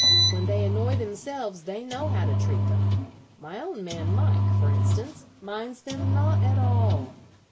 When they annoy themselves they know how to treat them. My own man Mike, for instance, minds them not at all.